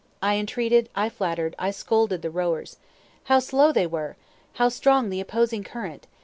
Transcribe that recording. I entreated, I flattered, I scolded, the rowers. How slow they were! how strong the opposing current!